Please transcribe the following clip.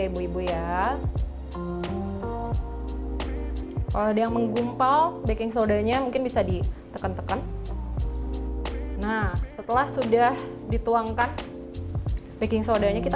baking sodanya mungkin bisa ditekan tekan nah setelah sudah dituangkan baking soda nya kita